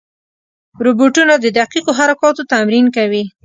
روبوټونه د دقیقو حرکاتو تمرین کوي.